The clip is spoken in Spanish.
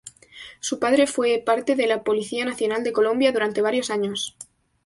Su padre fue parte de la Polícia Nacional de Colombia durante varios años.